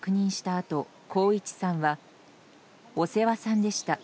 あと公一さんは、お世話さんでした